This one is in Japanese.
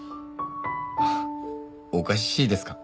おかしいですか？